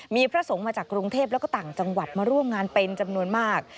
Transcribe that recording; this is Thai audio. มีพระสงฆ์มาจากกรุงเทพแล้วก็ต่างจังหวัดมาร่วมงานเป็นจำนวนมาก